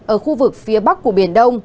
ở khu vực phía bắc của biển đông